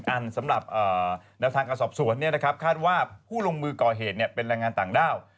ข้าวภาพนาทางกักศสวชถ้าเกิดผู้ลงมือก่อเหตุจะเป็นรังงานต่างได้